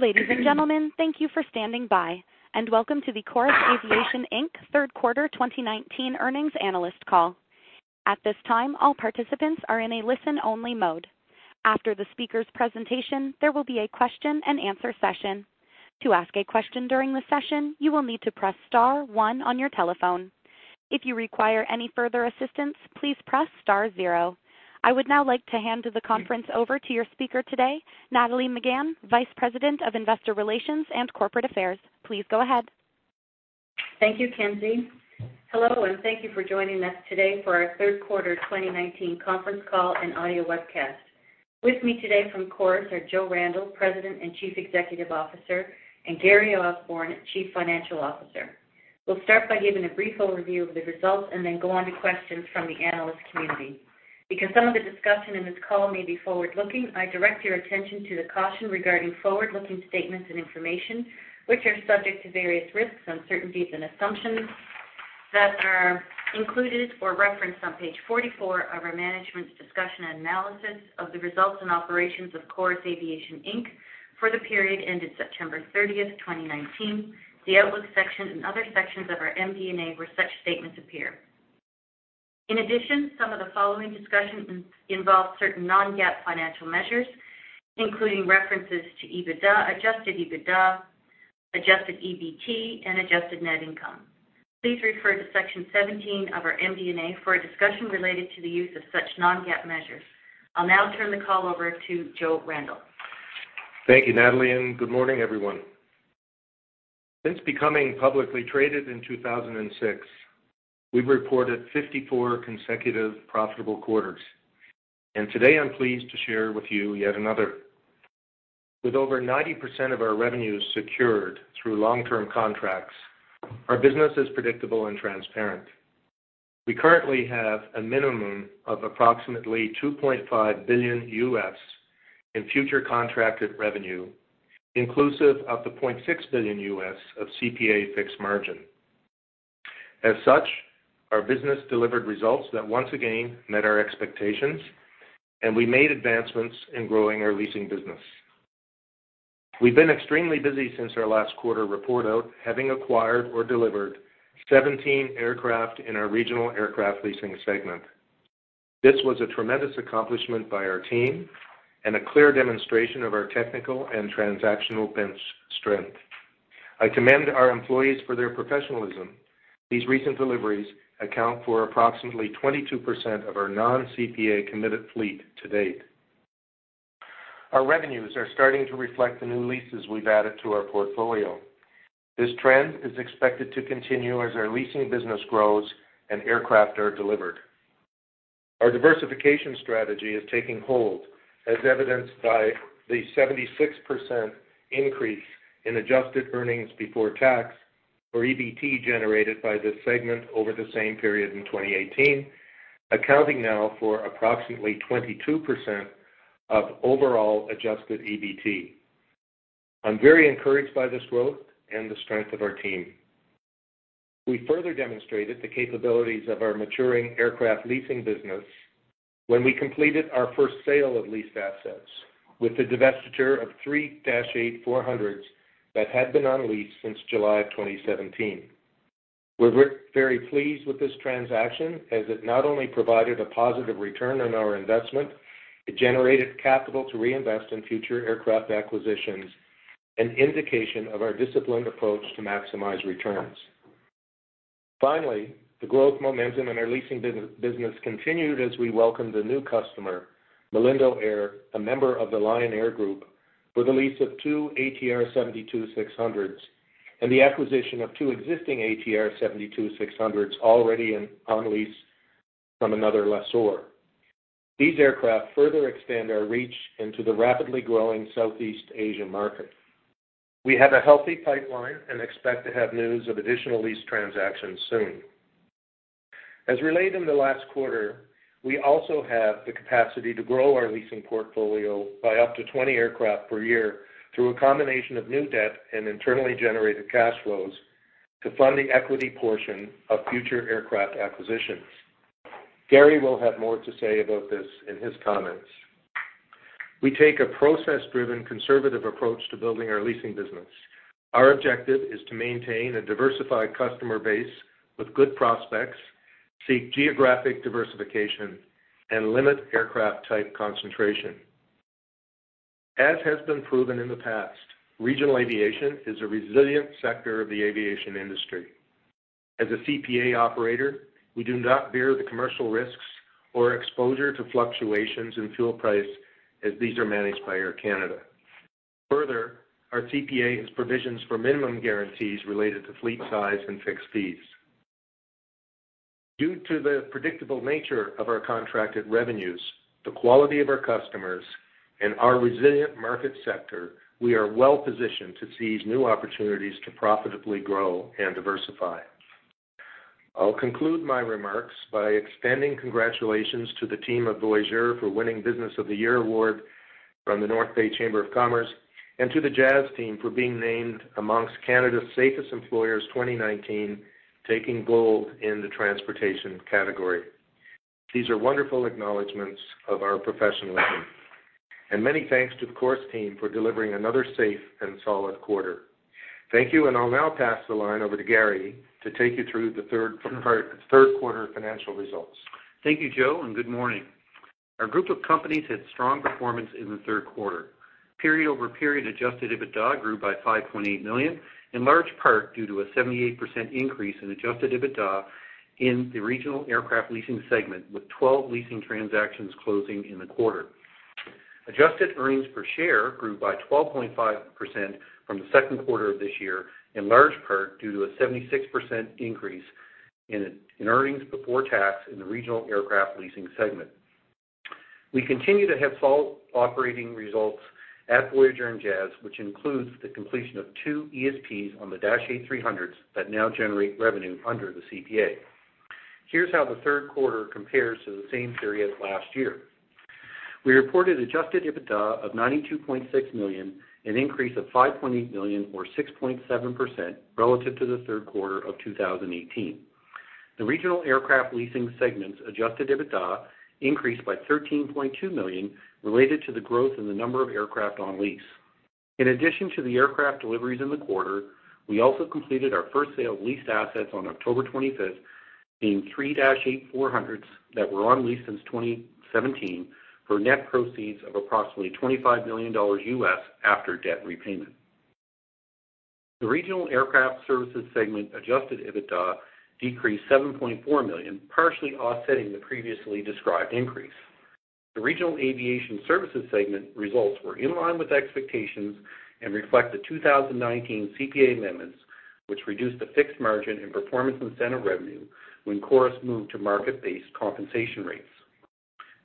Ladies and gentlemen, thank you for standing by, and welcome to the Chorus Aviation Inc. Third Quarter 2019 Earnings Analyst Call. At this time, all participants are in a listen-only mode. After the speaker's presentation, there will be a question-and-answer session. To ask a question during the session, you will need to press star one on your telephone. If you require any further assistance, please press star zero. I would now like to hand the conference over to your speaker today, Nathalie Megann, Vice President of Investor Relations and Corporate Affairs. Please go ahead. Thank you, Kenzie. Hello, and thank you for joining us today for our Third Quarter 2019 Conference Call and Audio Webcast. With me today from Chorus are Joe Randell, President and Chief Executive Officer, and Gary Osborne, Chief Financial Officer. We'll start by giving a brief overview of the results and then go on to questions from the analyst community. Because some of the discussion in this call may be forward-looking, I direct your attention to the caution regarding forward-looking statements and information, which are subject to various risks, uncertainties, and assumptions that are included or referenced on page 44 of our Management's Discussion and Analysis of the results and operations of Chorus Aviation Inc. for the period ended September 30, 2019. The outlook section and other sections of our MD&A where such statements appear. In addition, some of the following discussion involves certain non-GAAP financial measures, including references to EBITDA, adjusted EBITDA, adjusted EBT, and adjusted net income. Please refer to section 17 of our MD&A for a discussion related to the use of such non-GAAP measures. I'll now turn the call over to Joe Randell. Thank you, Nathalie. Good morning, everyone. Since becoming publicly traded in 2006, we've reported 54 consecutive profitable quarters. Today, I'm pleased to share with you yet another. With over 90% of our revenues secured through long-term contracts, our business is predictable and transparent. We currently have a minimum of approximately $2.5 billion in future contracted revenue, inclusive of the $0.6 billion of CPA fixed margin. As such, our business delivered results that once again met our expectations, and we made advancements in growing our leasing business. We've been extremely busy since our last quarter report out, having acquired or delivered 17 aircraft in our regional aircraft leasing segment. This was a tremendous accomplishment by our team and a clear demonstration of our technical and transactional bench strength. I commend our employees for their professionalism. These recent deliveries account for approximately 22% of our non-CPA committed fleet to date. Our revenues are starting to reflect the new leases we've added to our portfolio. This trend is expected to continue as our leasing business grows and aircraft are delivered. Our diversification strategy is taking hold, as evidenced by the 76% increase in adjusted earnings before tax, or EBT, generated by this segment over the same period in 2018, accounting now for approximately 22% of overall adjusted EBT. I'm very encouraged by this growth and the strength of our team. We further demonstrated the capabilities of our maturing aircraft leasing business when we completed our first sale of leased assets with the divestiture of three Dash 8-400s that had been on lease since July of 2017. We're very pleased with this transaction, as it not only provided a positive return on our investment, it generated capital to reinvest in future aircraft acquisitions, an indication of our disciplined approach to maximize returns. Finally, the growth momentum in our leasing business continued as we welcomed a new customer, Malindo Air, a member of the Lion Air Group, with a lease of 2 ATR 72-600s and the acquisition of 2 existing ATR 72-600s already on lease from another lessor. These aircraft further expand our reach into the rapidly growing Southeast Asian market. We have a healthy pipeline and expect to have news of additional lease transactions soon. As relayed in the last quarter, we also have the capacity to grow our leasing portfolio by up to 20 aircraft per year through a combination of new debt and internally generated cash flows to fund the equity portion of future aircraft acquisitions. Gary will have more to say about this in his comments. We take a process-driven, conservative approach to building our leasing business. Our objective is to maintain a diversified customer base with good prospects, seek geographic diversification, and limit aircraft type concentration. As has been proven in the past, regional aviation is a resilient sector of the aviation industry. As a CPA operator, we do not bear the commercial risks or exposure to fluctuations in fuel price as these are managed by Air Canada. Further, our CPA is provisions for minimum guarantees related to fleet size and fixed fees. Due to the predictable nature of our contracted revenues, the quality of our customers, and our resilient market sector, we are well positioned to seize new opportunities to profitably grow and diversify. I'll conclude my remarks by extending congratulations to the team of Voyager for winning Business of the Year Award from the North Bay Chamber of Commerce and to the Jazz team for being named amongst Canada's Safest Employers 2019, taking gold in the transportation category. These are wonderful acknowledgements of our professionalism. Many thanks to the Chorus team for delivering another safe and solid quarter. Thank you, and I'll now pass the line over to Gary to take you through the Third Quarter financial results. Thank you, Joe, and good morning. Our group of companies had strong performance in the third quarter. Period-over-period, Adjusted EBITDA grew by 5.8 million, in large part due to a 78% increase in Adjusted EBITDA in the regional aircraft leasing segment, with 12 leasing transactions closing in the quarter. Adjusted earnings per share grew by 12.5% from the second quarter of this year, in large part due to a 76% increase in earnings before tax in the regional aircraft leasing segment. We continue to have solid operating results at Voyager and Jazz, which includes the completion of two ESPs on the Dash 8-300s that now generate revenue under the CPA. Here's how the third quarter compares to the same period last year. We reported Adjusted EBITDA of 92.6 million and an increase of 5.8 million, or 6.7%, relative to the third quarter of 2018. The regional aircraft leasing segment's Adjusted EBITDA increased by 13.2 million related to the growth in the number of aircraft on lease. In addition to the aircraft deliveries in the quarter, we also completed our first sale of leased assets on October 25, being three Dash 8-400s that were on lease since 2017 for net proceeds of approximately $25 million after debt repayment. The regional aircraft services segment Adjusted EBITDA decreased 7.4 million, partially offsetting the previously described increase. The regional aviation services segment results were in line with expectations and reflect the 2019 CPA amendments, which reduced the fixed margin and performance incentive revenue when Chorus moved to market-based compensation rates.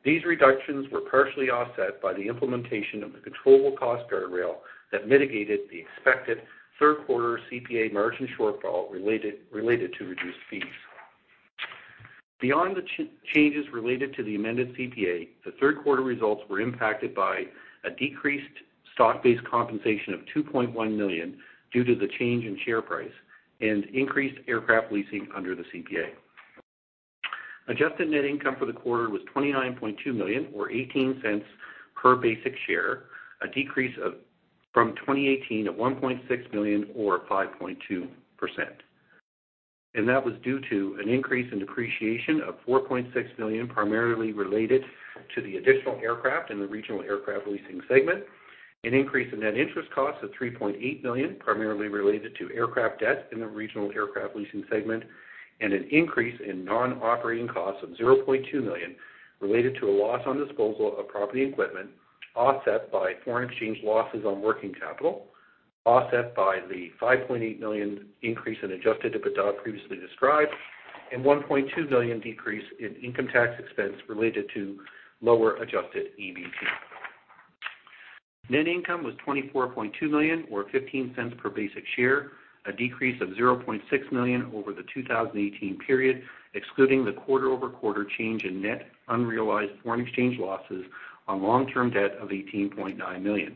These reductions were partially offset by the implementation of the controllable cost guardrail that mitigated the expected Third Quarter CPA margin shortfall related to reduced fees. Beyond the changes related to the amended CPA, the third quarter results were impacted by a decreased stock-based compensation of 2.1 million due to the change in share price and increased aircraft leasing under the CPA. Adjusted net income for the quarter was 29.2 million, or 0.18 per basic share, a decrease from 2018 of 1.6 million, or 5.2%. That was due to an increase in depreciation of 4.6 million, primarily related to the additional aircraft in the regional aircraft leasing segment, an increase in net interest costs of 3.8 million, primarily related to aircraft debt in the regional aircraft leasing segment, and an increase in non-operating costs of 0.2 million related to a loss on disposal of property and equipment, offset by foreign exchange losses on working capital, offset by the 5.8 million increase in adjusted EBITDA previously described, and 1.2 million decrease in income tax expense related to lower adjusted EBT. Net income was 24.2 million, or 0.15 per basic share, a decrease of 0.6 million over the 2018 period, excluding the quarter-over-quarter change in net unrealized foreign exchange losses on long-term debt of 18.9 million.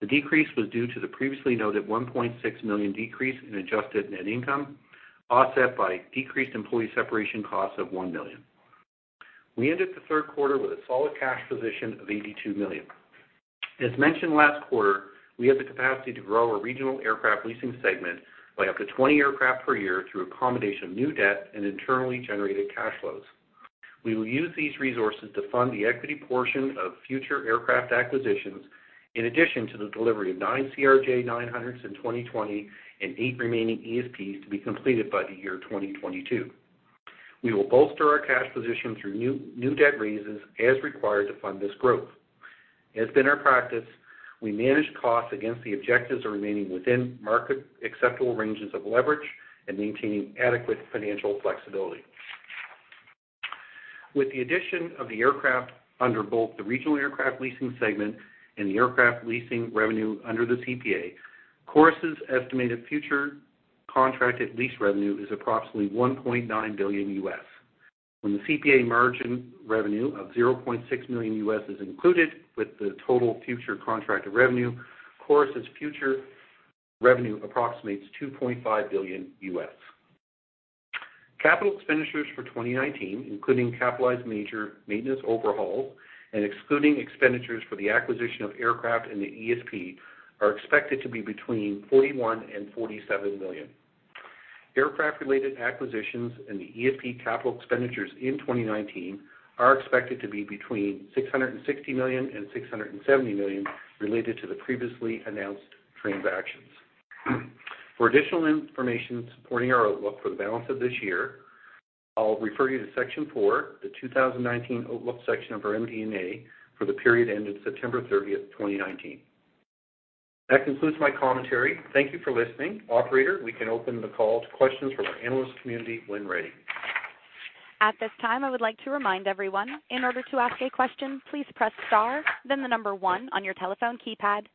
The decrease was due to the previously noted 1.6 million decrease in adjusted net income, offset by decreased employee separation costs of 1 million. We ended the third quarter with a solid cash position of 82 million. As mentioned last quarter, we had the capacity to grow our regional aircraft leasing segment by up to 20 aircraft per year through accommodation of new debt and internally generated cash flows. We will use these resources to fund the equity portion of future aircraft acquisitions in addition to the delivery of 9 CRJ900s in 2020 and 8 remaining ESPs to be completed by the year 2022. We will bolster our cash position through new debt raises as required to fund this growth. As has been our practice, we manage costs against the objectives of remaining within market acceptable ranges of leverage and maintaining adequate financial flexibility. With the addition of the aircraft under both the regional aircraft leasing segment and the aircraft leasing revenue under the CPA, Chorus's estimated future contracted lease revenue is approximately $1.9 billion. When the CPA margin revenue of $0.6 million is included with the total future contracted revenue, Chorus's future revenue approximates $2.5 billion. Capital expenditures for 2019, including capitalized major maintenance overhauls and excluding expenditures for the acquisition of aircraft and the ESP, are expected to be between 41 million and 47 million. Aircraft-related acquisitions and the ESP capital expenditures in 2019 are expected to be between 660 million and 670 million related to the previously announced transactions. For additional information supporting our outlook for the balance of this year, I'll refer you to Section 4, the 2019 Outlook section of our MD&A for the period ended September 30, 2019. That concludes my commentary. Thank you for listening. Operator, we can open the call to questions from our analyst community when ready. At this time, I would like to remind everyone, in order to ask a question, please press star, then the number one on your telephone keypad.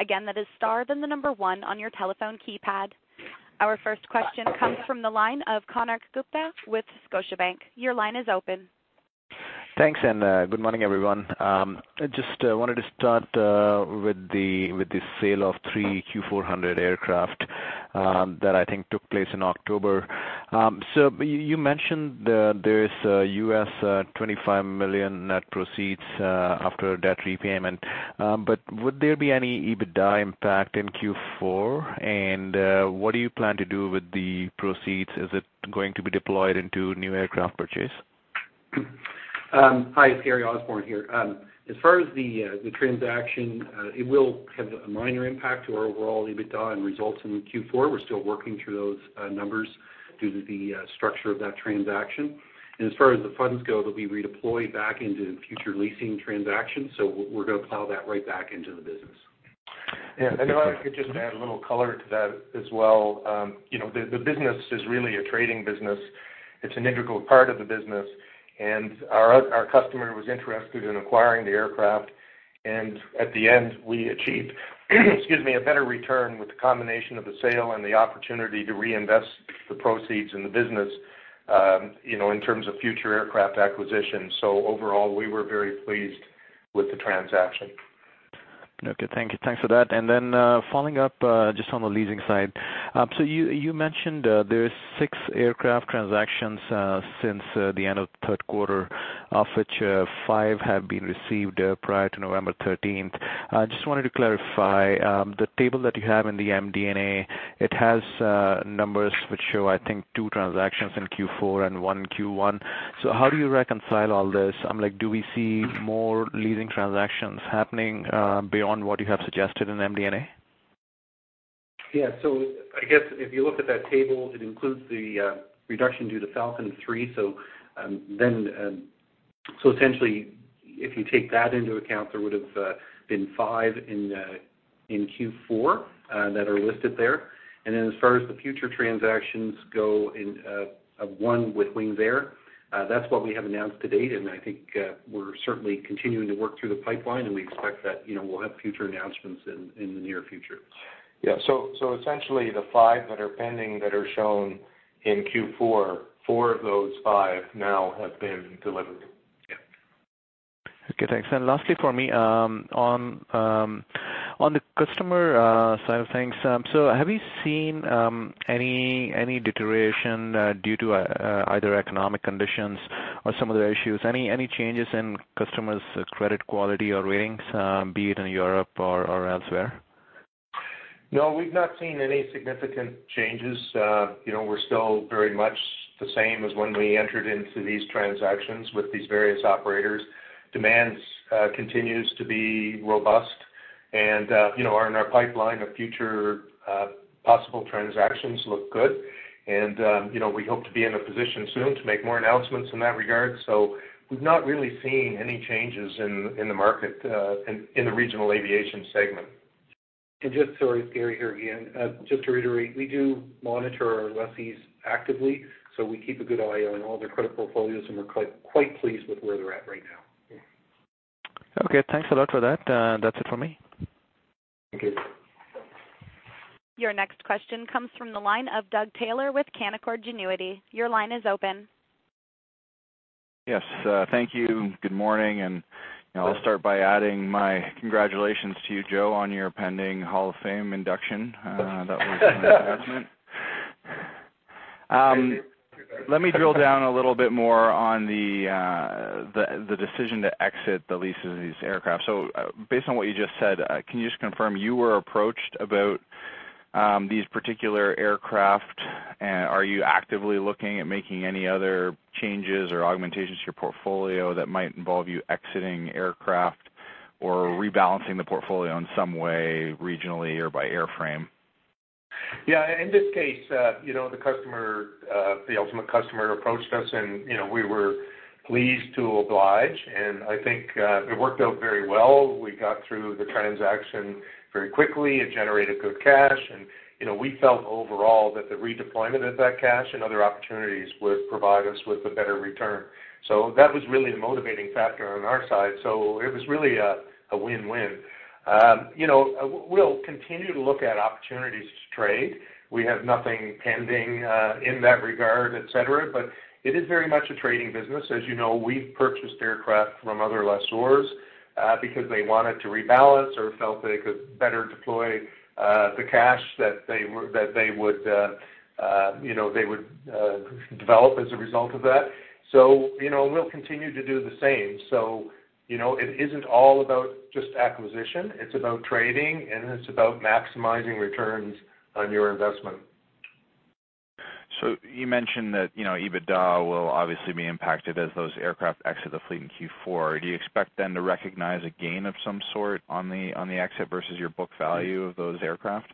Again, that is star, then the number one on your telephone keypad. Our first question comes from the line of Konark Gupta with Scotiabank. Your line is open. Thanks, and good morning, everyone. I just wanted to start with the sale of three Q400 aircraft that I think took place in October. So you mentioned there's $25 million net proceeds after debt repayment, but would there be any EBITDA impact in Q4? And what do you plan to do with the proceeds? Is it going to be deployed into new aircraft purchase? Hi, it's Gary Osborne here. As far as the transaction, it will have a minor impact to our overall EBITDA and results in Q4. We're still working through those numbers due to the structure of that transaction. As far as the funds go, they'll be redeployed back into future leasing transactions, so we're going to plow that right back into the business. Yeah, and if I could just add a little color to that as well. The business is really a trading business. It's an integral part of the business. And our customer was interested in acquiring the aircraft. And at the end, we achieved, excuse me, a better return with the combination of the sale and the opportunity to reinvest the proceeds in the business in terms of future aircraft acquisitions. So overall, we were very pleased with the transaction. Okay, thanks. Thanks for that. And then following up just on the leasing side, so you mentioned there's 6 aircraft transactions since the end of Third Quarter, of which 5 have been received prior to November 13. I just wanted to clarify the table that you have in the MD&A. It has numbers which show, I think, 2 transactions in Q4 and 1 in Q1. So how do you reconcile all this? Do we see more leasing transactions happening beyond what you have suggested in the MD&A? Yeah, so I guess if you look at that table, it includes the reduction due to Falcon 3. So essentially, if you take that into account, there would have been five in Q4 that are listed there. And then as far as the future transactions go, one with Winair, that's what we have announced to date. And I think we're certainly continuing to work through the pipeline, and we expect that we'll have future announcements in the near future. Yeah, so essentially, the five that are pending that are shown in Q4, four of those five now have been delivered. Yeah. Okay, thanks. And lastly for me, on the customer side of things, so have you seen any deterioration due to either economic conditions or some other issues? Any changes in customers' credit quality or ratings, be it in Europe or elsewhere? No, we've not seen any significant changes. We're still very much the same as when we entered into these transactions with these various operators. Demand continues to be robust. In our pipeline, future possible transactions look good. We hope to be in a position soon to make more announcements in that regard. We've not really seen any changes in the market in the regional aviation segment. Just so I'm clear here again, just to reiterate, we do monitor our lessees actively. We keep a good eye on all their credit portfolios, and we're quite pleased with where they're at right now. Okay, thanks a lot for that. That's it for me. Thank you. Your next question comes from the line of Doug Taylor with Canaccord Genuity. Your line is open. Yes, thank you. Good morning. I'll start by adding my congratulations to you, Joe, on your pending Hall of Fame induction. That was an announcement. Let me drill down a little bit more on the decision to exit the lease of these aircraft. Based on what you just said, can you just confirm you were approached about these particular aircraft? Are you actively looking at making any other changes or augmentations to your portfolio that might involve you exiting aircraft or rebalancing the portfolio in some way regionally or by airframe? Yeah, in this case, the customer, the ultimate customer, approached us, and we were pleased to oblige. And I think it worked out very well. We got through the transaction very quickly. It generated good cash. And we felt overall that the redeployment of that cash and other opportunities would provide us with a better return. So that was really a motivating factor on our side. So it was really a win-win. We'll continue to look at opportunities to trade. We have nothing pending in that regard, etc. But it is very much a trading business. As you know, we've purchased aircraft from other lessors because they wanted to rebalance or felt they could better deploy the cash that they would develop as a result of that. So we'll continue to do the same. So it isn't all about just acquisition. It's about trading, and it's about maximizing returns on your investment. You mentioned that EBITDA will obviously be impacted as those aircraft exit the fleet in Q4. Do you expect them to recognize a gain of some sort on the exit versus your book value of those aircraft?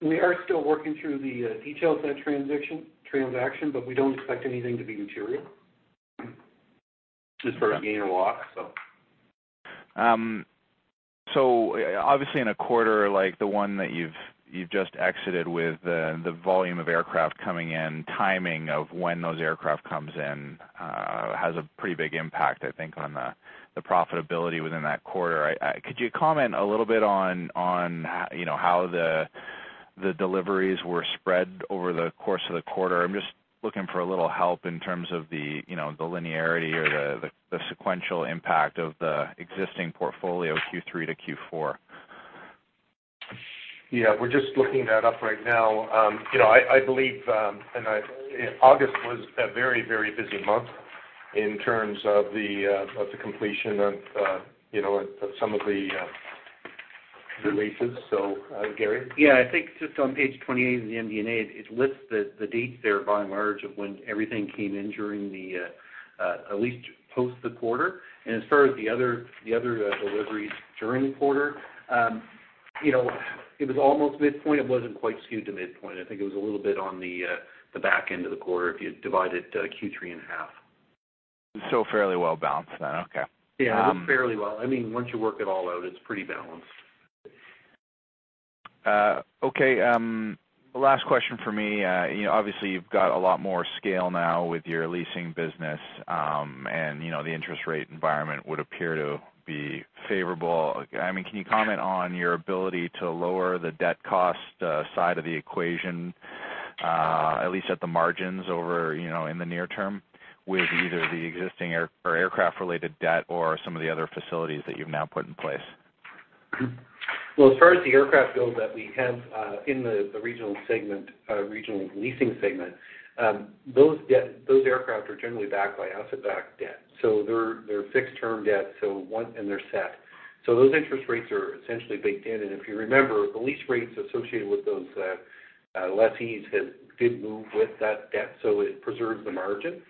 We are still working through the details of that transaction, but we don't expect anything to be material as far as gain or loss, so. So obviously, in a quarter like the one that you've just exited with, the volume of aircraft coming in, timing of when those aircraft comes in has a pretty big impact, I think, on the profitability within that quarter. Could you comment a little bit on how the deliveries were spread over the course of the quarter? I'm just looking for a little help in terms of the linearity or the sequential impact of the existing portfolio Q3 to Q4. Yeah, we're just looking that up right now. I believe August was a very, very busy month in terms of the completion of some of the releases. So, Gary. Yeah, I think just on page 28 of the MD&A, it lists the dates there, by and large, of when everything came in during the at least post the quarter. And as far as the other deliveries during the quarter, it was almost midpoint. It wasn't quite skewed to midpoint. I think it was a little bit on the back end of the quarter if you divided Q3 in half. So fairly well balanced then. Okay. Yeah, fairly well. I mean, once you work it all out, it's pretty balanced. Okay, last question for me. Obviously, you've got a lot more scale now with your leasing business, and the interest rate environment would appear to be favorable. I mean, can you comment on your ability to lower the debt cost side of the equation, at least at the margins over in the near term with either the existing or aircraft-related debt or some of the other facilities that you've now put in place? Well, as far as the aircraft goes that we have in the regional segment, regional leasing segment, those aircraft are generally backed by asset-backed debt. So they're fixed-term debt, and they're set. So those interest rates are essentially baked in. And if you remember, the lease rates associated with those lessees did move with that debt, so it preserves the margin.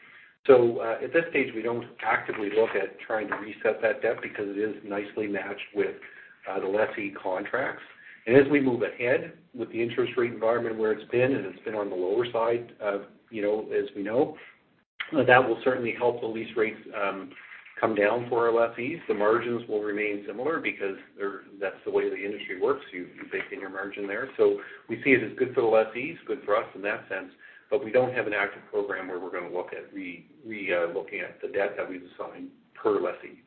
So at this stage, we don't actively look at trying to reset that debt because it is nicely matched with the lessee contracts. And as we move ahead with the interest rate environment where it's been and it's been on the lower side, as we know, that will certainly help the lease rates come down for our lessees. The margins will remain similar because that's the way the industry works. You bake in your margin there. We see it as good for the lessees, good for us in that sense, but we don't have an active program where we're going to look at relooking at the debt that we've assigned per lessee.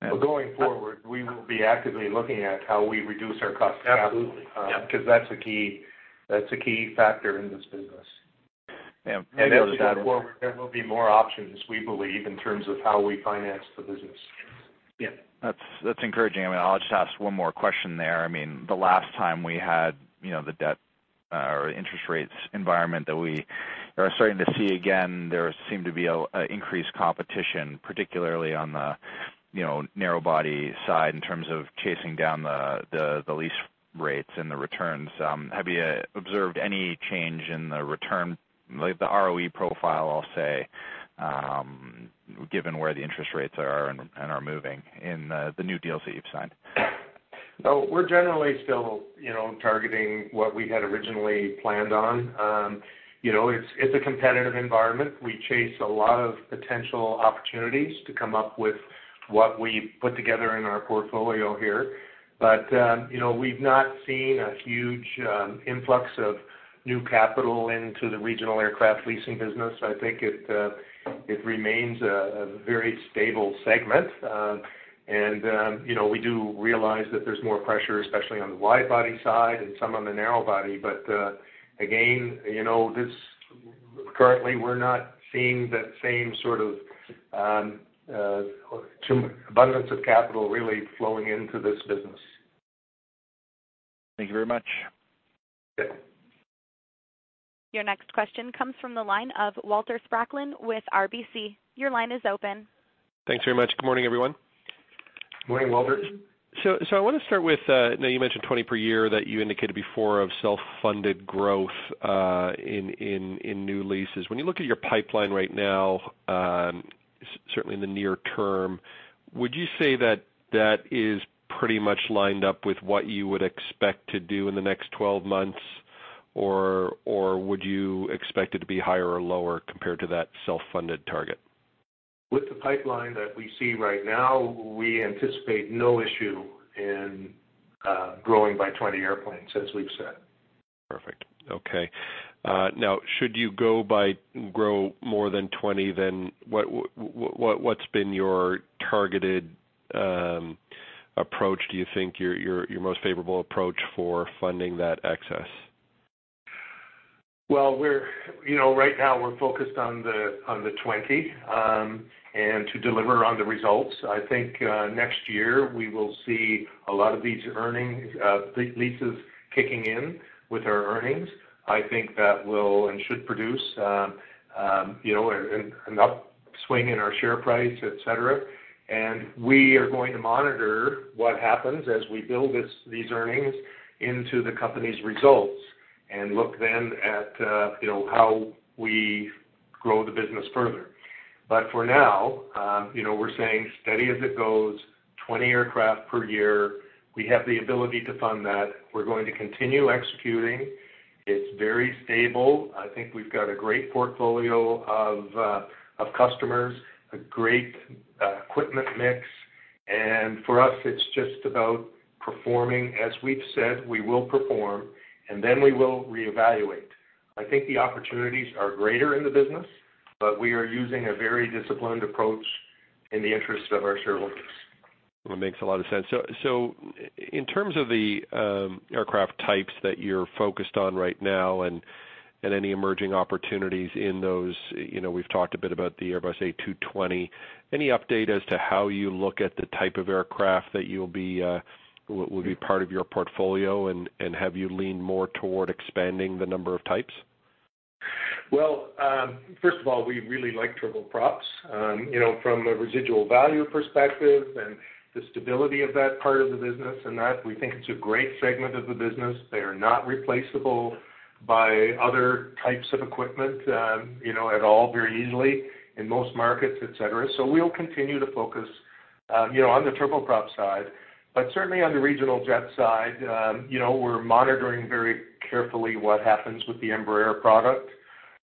But going forward, we will be actively looking at how we reduce our cost of capital. Absolutely. Because that's a key factor in this business. Yeah, and that's. There will be more options, we believe, in terms of how we finance the business. Yeah, that's encouraging. I mean, I'll just ask one more question there. I mean, the last time we had the debt or interest rates environment that we are starting to see again, there seemed to be an increased competition, particularly on the narrow body side in terms of chasing down the lease rates and the returns. Have you observed any change in the return, the ROE profile, I'll say, given where the interest rates are and are moving in the new deals that you've signed? No, we're generally still targeting what we had originally planned on. It's a competitive environment. We chase a lot of potential opportunities to come up with what we put together in our portfolio here. But we've not seen a huge influx of new capital into the regional aircraft leasing business. I think it remains a very stable segment. We do realize that there's more pressure, especially on the wide body side and some on the narrow body. But again, currently, we're not seeing that same sort of abundance of capital really flowing into this business. Thank you very much. Okay. Your next question comes from the line of Walter Spracklin with RBC. Your line is open. Thanks very much. Good morning, everyone. Good morning, Walter. So I want to start with, you mentioned 20 per year that you indicated before of self-funded growth in new leases. When you look at your pipeline right now, certainly in the near term, would you say that that is pretty much lined up with what you would expect to do in the next 12 months, or would you expect it to be higher or lower compared to that self-funded target? With the pipeline that we see right now, we anticipate no issue in growing by 20 airplanes as we've said. Perfect. Okay. Now, should you go by grow more than 20, then what's been your targeted approach? Do you think your most favorable approach for funding that excess? Well, right now, we're focused on the 20 and to deliver on the results. I think next year, we will see a lot of these leases kicking in with our earnings. I think that will and should produce an upswing in our share price, etc. And we are going to monitor what happens as we build these earnings into the company's results and look then at how we grow the business further. But for now, we're saying steady as it goes, 20 aircraft per year. We have the ability to fund that. We're going to continue executing. It's very stable. I think we've got a great portfolio of customers, a great equipment mix. And for us, it's just about performing. As we've said, we will perform, and then we will reevaluate. I think the opportunities are greater in the business, but we are using a very disciplined approach in the interest of our shareholders. That makes a lot of sense. So in terms of the aircraft types that you're focused on right now and any emerging opportunities in those, we've talked a bit about the Airbus A220. Any update as to how you look at the type of aircraft that will be part of your portfolio, and have you leaned more toward expanding the number of types? Well, first of all, we really like turboprops. From a residual value perspective and the stability of that part of the business and that, we think it's a great segment of the business. They are not replaceable by other types of equipment at all very easily in most markets, etc. So we'll continue to focus on the turboprop side, but certainly on the regional jet side, we're monitoring very carefully what happens with the Embraer product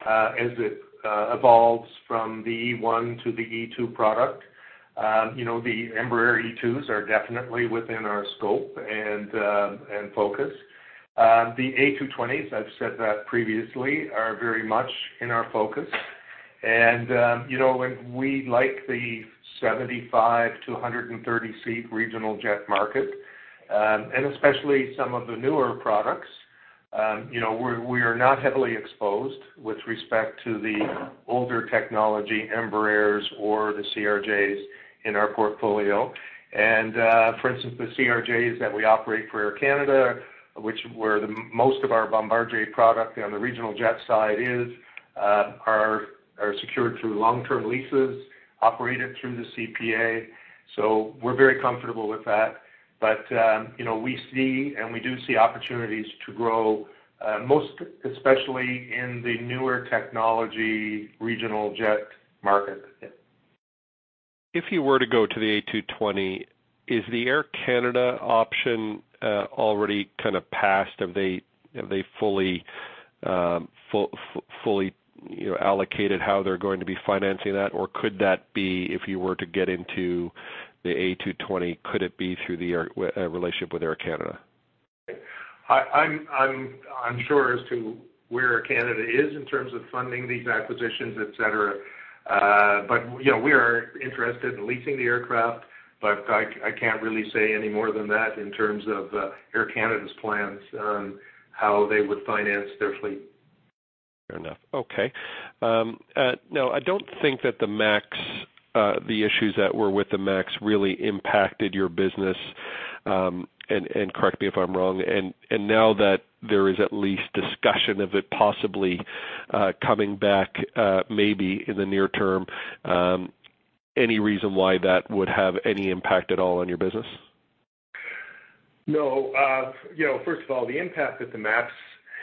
as it evolves from the E1 to the E2 product. The Embraer E2s are definitely within our scope and focus. The A220s, I've said that previously, are very much in our focus. And we like the 75-130-seat regional jet market, and especially some of the newer products. We are not heavily exposed with respect to the older technology, Embraers or the CRJs in our portfolio. For instance, the CRJs that we operate for Air Canada, which where most of our Bombardier product on the regional jet side is, are secured through long-term leases operated through the CPA. We're very comfortable with that. We see and we do see opportunities to grow, especially in the newer technology regional jet market. If you were to go to the A220, is the Air Canada option already kind of passed? Have they fully allocated how they're going to be financing that? Or could that be, if you were to get into the A220, could it be through the relationship with Air Canada? I'm sure as to where Air Canada is in terms of funding these acquisitions, etc. But we are interested in leasing the aircraft, but I can't really say any more than that in terms of Air Canada's plans on how they would finance their fleet. Fair enough. Okay. Now, I don't think that the issues that were with the MAX really impacted your business, and correct me if I'm wrong. Now that there is at least discussion of it possibly coming back maybe in the near term, any reason why that would have any impact at all on your business? No. First of all, the impact that the MAX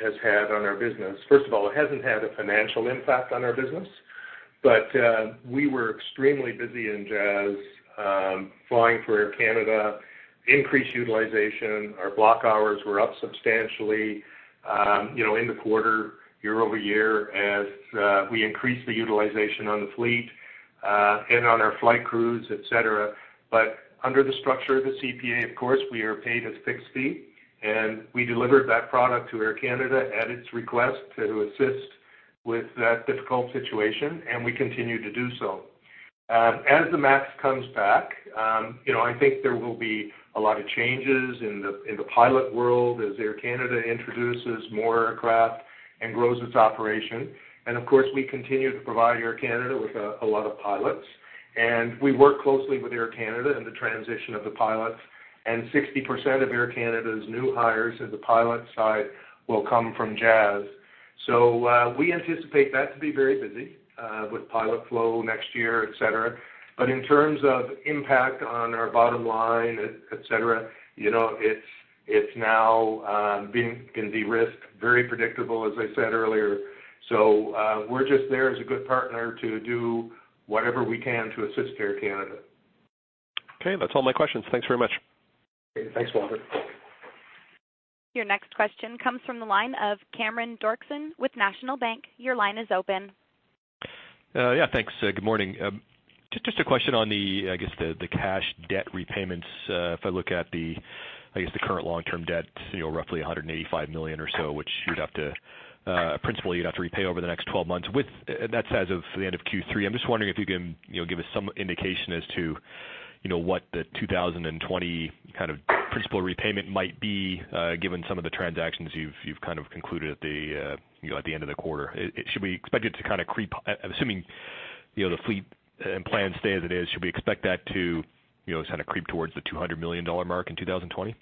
has had on our business, first of all, it hasn't had a financial impact on our business. But we were extremely busy in Jazz flying for Air Canada, increased utilization. Our block hours were up substantially in the quarter year-over-year as we increased the utilization on the fleet and on our flight crews, etc. But under the structure of the CPA, of course, we are paid a fixed fee, and we delivered that product to Air Canada at its request to assist with that difficult situation, and we continue to do so. As the MAX comes back, I think there will be a lot of changes in the pilot world as Air Canada introduces more aircraft and grows its operation. And of course, we continue to provide Air Canada with a lot of pilots. We work closely with Air Canada in the transition of the pilots. 60% of Air Canada's new hires in the pilot side will come from Jazz. We anticipate that to be very busy with pilot flow next year, etc. In terms of impact on our bottom line, etc., it's now been de-risked, very predictable, as I said earlier. We're just there as a good partner to do whatever we can to assist Air Canada. Okay, that's all my questions. Thanks very much. Thanks, Walter. Your next question comes from the line of Cameron Duerksen with National Bank. Your line is open. Yeah, thanks. Good morning. Just a question on the, I guess, the cash debt repayments. If I look at the, I guess, the current long-term debt, roughly 185 million or so, which you'd have to principally, you'd have to repay over the next 12 months, and that's as of the end of Q3. I'm just wondering if you can give us some indication as to what the 2020 kind of principal repayment might be given some of the transactions you've kind of concluded at the end of the quarter. Should we expect it to kind of creep, assuming the fleet and plans stay as it is, should we expect that to kind of creep towards the 200 million dollar mark in 2020?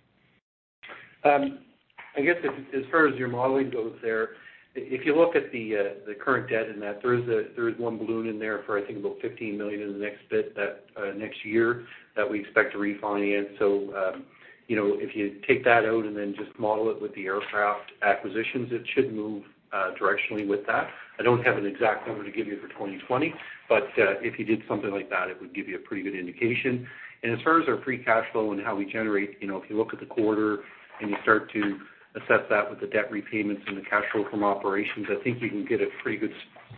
I guess as far as your modeling goes there, if you look at the current debt in that, there is one balloon in there for, I think, about 15 million in the next year that we expect to refinance. So if you take that out and then just model it with the aircraft acquisitions, it should move directionally with that. I don't have an exact number to give you for 2020, but if you did something like that, it would give you a pretty good indication. As far as our free cash flow and how we generate, if you look at the quarter and you start to assess that with the debt repayments and the cash flow from operations, I think you can get a pretty good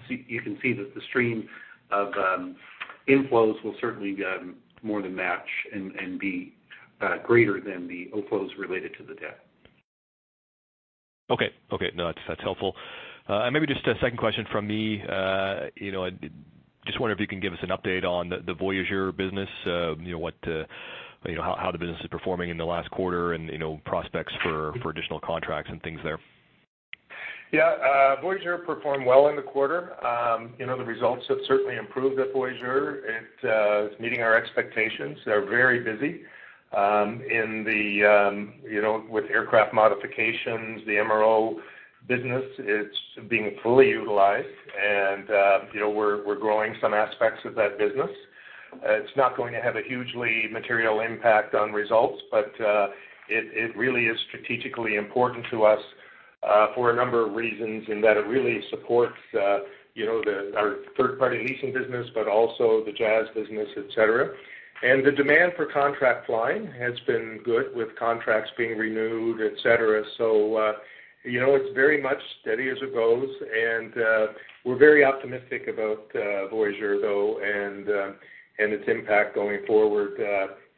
you can see that the stream of inflows will certainly more than match and be greater than the outflows related to the debt. Okay. Okay. No, that's helpful. Maybe just a second question from me. Just wondering if you can give us an update on the Voyager business, how the business is performing in the last quarter and prospects for additional contracts and things there. Yeah. Voyager performed well in the quarter. The results have certainly improved at Voyager. It's meeting our expectations. They're very busy with aircraft modifications, the MRO business. It's being fully utilized, and we're growing some aspects of that business. It's not going to have a hugely material impact on results, but it really is strategically important to us for a number of reasons in that it really supports our third-party leasing business, but also the Jazz business, etc. And the demand for contract flying has been good with contracts being renewed, etc. So it's very much steady as it goes. And we're very optimistic about Voyager, though, and its impact going forward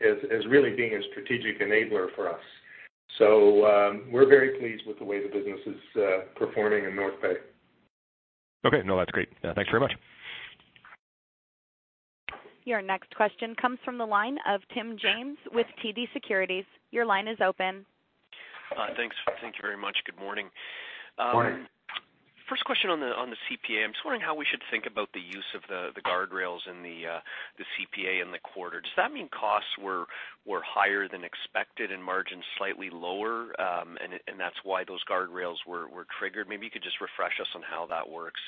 as really being a strategic enabler for us. So we're very pleased with the way the business is performing in North Bay. Okay. No, that's great. Thanks very much. Your next question comes from the line of Tim James with TD Securities. Your line is open. Thanks. Thank you very much. Good morning. Good morning. First question on the CPA. I'm just wondering how we should think about the use of the guardrails in the CPA in the quarter. Does that mean costs were higher than expected and margins slightly lower, and that's why those guardrails were triggered? Maybe you could just refresh us on how that works.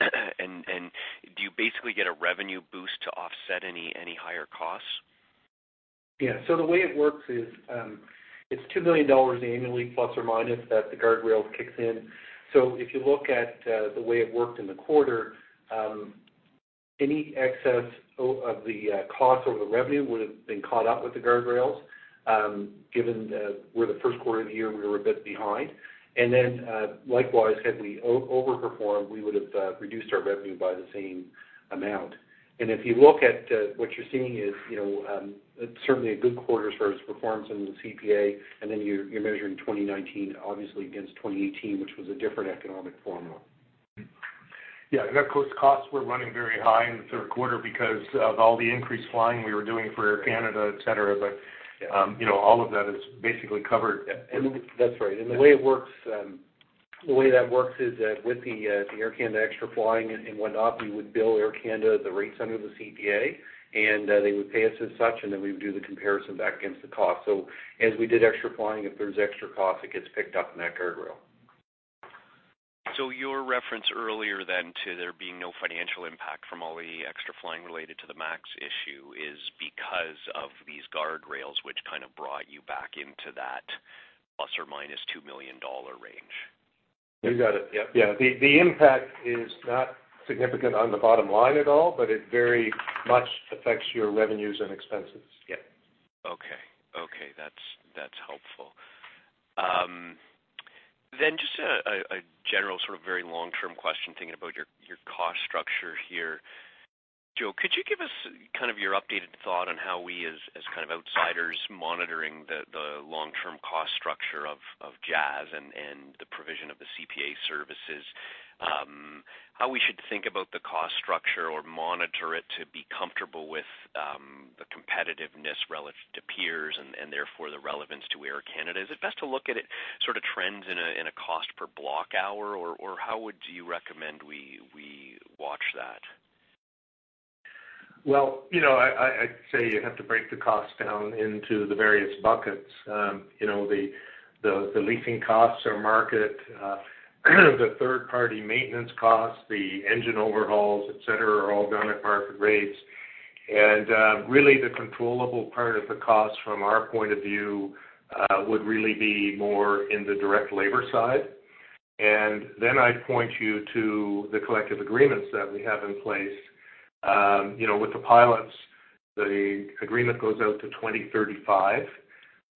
Do you basically get a revenue boost to offset any higher costs? Yeah. So the way it works is it's $2 million annually plus or minus that the guardrails kicks in. So if you look at the way it worked in the quarter, any excess of the cost or the revenue would have been caught up with the guardrails given where the first quarter of the year we were a bit behind. And then likewise, had we overperformed, we would have reduced our revenue by the same amount. And if you look at what you're seeing is certainly a good quarter as far as performance in the CPA, and then you're measuring 2019 obviously against 2018, which was a different economic formula. Yeah. And of course, costs were running very high in the third quarter because of all the increased flying we were doing for Air Canada, etc. But all of that is basically covered. That's right. The way it works, the way that works is that with the Air Canada extra flying and whatnot, we would bill Air Canada the rates under the CPA, and they would pay us as such, and then we would do the comparison back against the cost. As we did extra flying, if there's extra costs, it gets picked up in that guardrail. So your reference earlier then to there being no financial impact from all the extra flying related to the MAX issue is because of these guardrails, which kind of brought you back into that ±$2 million range? You got it. Yeah. The impact is not significant on the bottom line at all, but it very much affects your revenues and expenses. Yeah. Okay. Okay. That's helpful. Then just a general sort of very long-term question thinking about your cost structure here. Joe, could you give us kind of your updated thought on how we, as kind of outsiders, monitoring the long-term cost structure of Jazz and the provision of the CPA services, how we should think about the cost structure or monitor it to be comfortable with the competitiveness relative to peers and therefore the relevance to Air Canada? Is it best to look at it sort of trends in a cost per block hour, or how would you recommend we watch that? Well, I'd say you have to break the cost down into the various buckets. The leasing costs are market. The third-party maintenance costs, the engine overhauls, etc., are all done at market rates. And really, the controllable part of the cost from our point of view would really be more in the direct labor side. And then I'd point you to the collective agreements that we have in place with the pilots. The agreement goes out to 2035.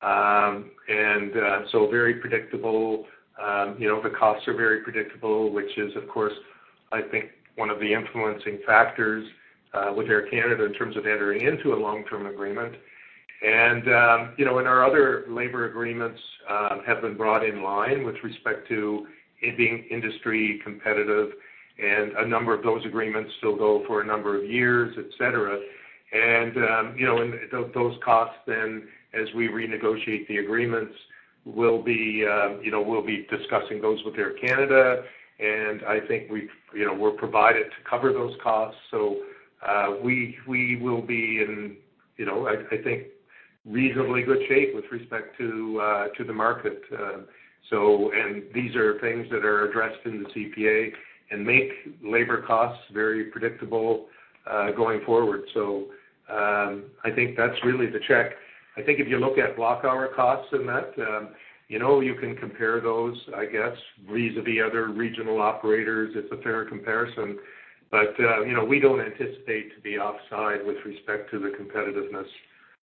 And so very predictable. The costs are very predictable, which is, of course, I think one of the influencing factors with Air Canada in terms of entering into a long-term agreement. And our other labor agreements have been brought in line with respect to it being industry competitive. And a number of those agreements still go for a number of years, etc. Those costs then, as we renegotiate the agreements, we'll be discussing those with Air Canada. I think we're provided to cover those costs. We will be in, I think, reasonably good shape with respect to the market. These are things that are addressed in the CPA and make labor costs very predictable going forward. I think that's really the check. I think if you look at block hour costs and that, you can compare those, I guess, vis-à-vis other regional operators. It's a fair comparison. We don't anticipate to be offside with respect to the competitiveness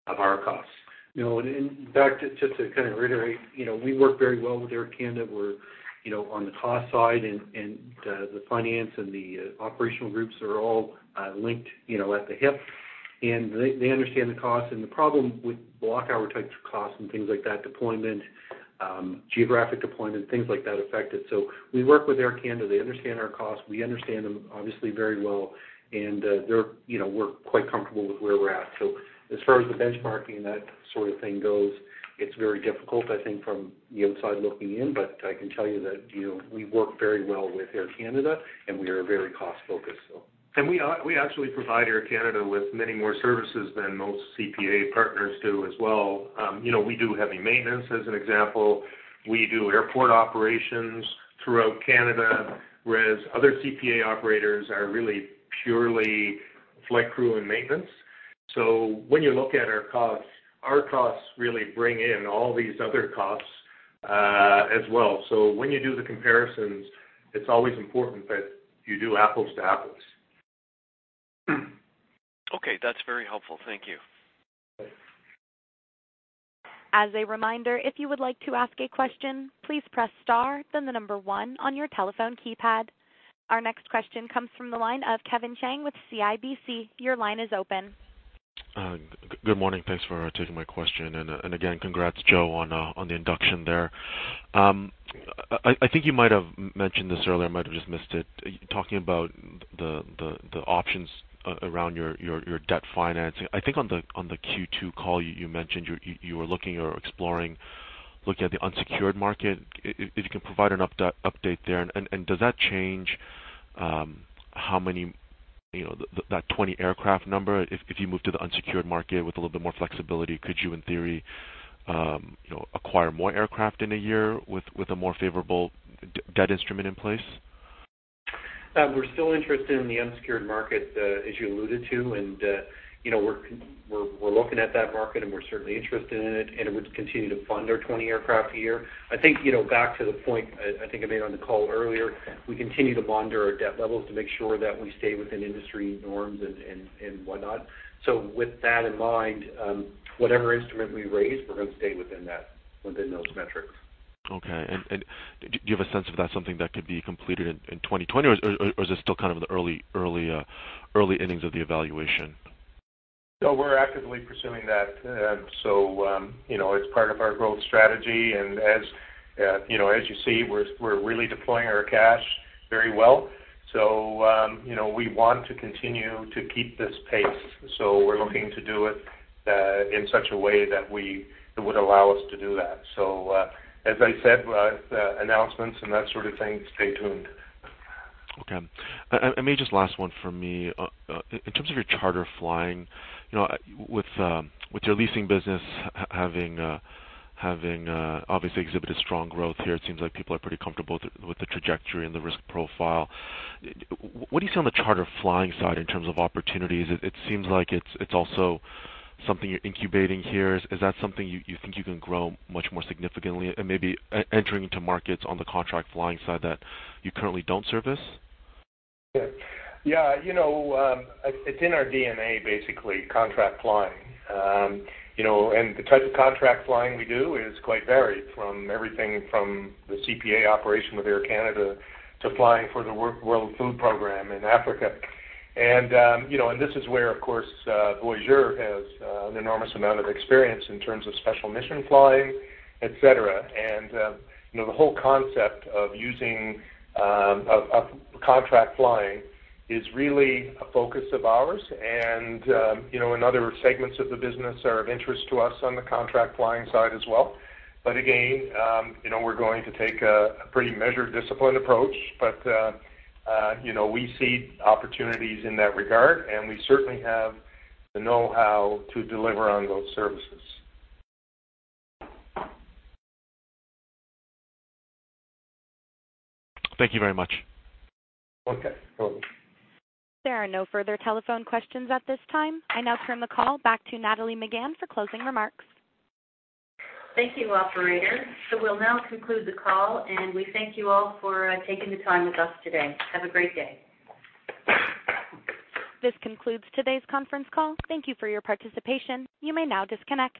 of our costs. In fact, just to kind of reiterate, we work very well with Air Canada. We're on the cost side, and the finance and the operational groups are all linked at the hip. They understand the cost. The problem with block hour type costs and things like that, deployment, geographic deployment, things like that affect it. We work with Air Canada. They understand our costs. We understand them, obviously, very well. We're quite comfortable with where we're at. As far as the benchmarking and that sort of thing goes, it's very difficult, I think, from the outside looking in. But I can tell you that we work very well with Air Canada, and we are very cost-focused. We actually provide Air Canada with many more services than most CPA partners do as well. We do heavy maintenance, as an example. We do airport operations throughout Canada, whereas other CPA operators are really purely flight crew and maintenance. When you look at our costs, our costs really bring in all these other costs as well. When you do the comparisons, it's always important that you do apples to apples. Okay. That's very helpful. Thank you. Thanks. As a reminder, if you would like to ask a question, please press star, then the number one on your telephone keypad. Our next question comes from the line of Kevin Chiang with CIBC. Your line is open. Good morning. Thanks for taking my question. And again, congrats, Joe, on the induction there. I think you might have mentioned this earlier. I might have just missed it. Talking about the options around your debt financing, I think on the Q2 call, you mentioned you were looking or exploring looking at the unsecured market. If you can provide an update there. And does that change how many that 20 aircraft number? If you move to the unsecured market with a little bit more flexibility, could you, in theory, acquire more aircraft in a year with a more favorable debt instrument in place? We're still interested in the unsecured market, as you alluded to. We're looking at that market, and we're certainly interested in it. We'd continue to fund our 20 aircraft a year. I think back to the point I think I made on the call earlier, we continue to monitor our debt levels to make sure that we stay within industry norms and whatnot. With that in mind, whatever instrument we raise, we're going to stay within those metrics. Okay. Do you have a sense if that's something that could be completed in 2020, or is this still kind of in the early innings of the evaluation? So we're actively pursuing that. So it's part of our growth strategy. And as you see, we're really deploying our cash very well. So we want to continue to keep this pace. So we're looking to do it in such a way that it would allow us to do that. So as I said, announcements and that sort of thing, stay tuned. Okay. And maybe just last one for me. In terms of your charter flying, with your leasing business having obviously exhibited strong growth here, it seems like people are pretty comfortable with the trajectory and the risk profile. What do you see on the charter flying side in terms of opportunities? It seems like it's also something you're incubating here. Is that something you think you can grow much more significantly and maybe entering into markets on the contract flying side that you currently don't service? Yeah. Yeah. It's in our DNA, basically, contract flying. And the type of contract flying we do is quite varied from everything from the CPA operation with Air Canada to flying for the World Food Programme in Africa. And this is where, of course, Voyager has an enormous amount of experience in terms of special mission flying, etc. And the whole concept of using contract flying is really a focus of ours. And in other segments of the business are of interest to us on the contract flying side as well. But again, we're going to take a pretty measured, disciplined approach. But we see opportunities in that regard, and we certainly have the know-how to deliver on those services. Thank you very much. Okay. Thank you. There are no further telephone questions at this time. I now turn the call back to Nathalie Megann for closing remarks. Thank you, Operator. We'll now conclude the call, and we thank you all for taking the time with us today. Have a great day. This concludes today's conference call. Thank you for your participation. You may now disconnect.